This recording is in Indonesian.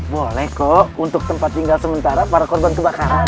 boleh kok untuk tempat tinggal sementara para korban kebakaran